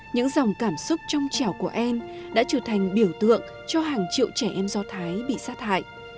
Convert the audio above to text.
những dòng cảm xúc trong chẻo của an đã trở thành biểu tượng cho hàng triệu trẻ em do thái bị sát hại